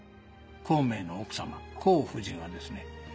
孔明の奥様黄夫人はですね